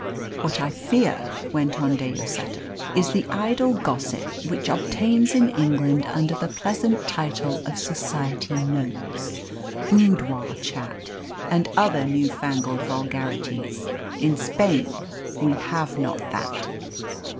"What I fear," went on De Lloseta, "is the idle gossip which obtains in England under the pleasant title of 'Society Notes,' 'Boudoir Chat,' and other new fangled vulgarities. In Spain we have not that."